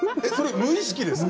無意識ですか？